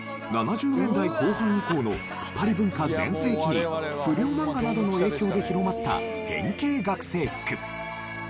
７０年代後半以降のツッパリ文化全盛期に不良漫画などの影響で広まった変形学生服。